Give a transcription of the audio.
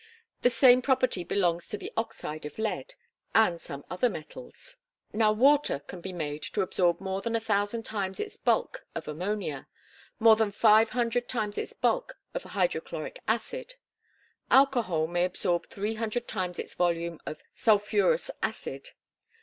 The same property belongs to the oxide of lead, and some other metals. Now water can be made to absorb more than a thousand times its bulk of ammonia; more than five hundred times its bulk of hydrochloric acid. Alcohol may absorb three hundred times its volume of sulphurous acid.